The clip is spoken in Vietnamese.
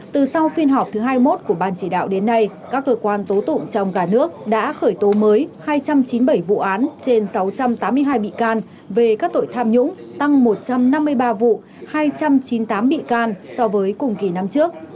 từ sau phiên họp thứ hai mươi một của ban chỉ đạo đến nay các cơ quan tố tụng trong cả nước đã khởi tố mới hai trăm chín mươi bảy vụ án trên sáu trăm tám mươi hai bị can về các tội tham nhũng tăng một trăm năm mươi ba vụ hai trăm chín mươi tám bị can so với cùng kỳ năm trước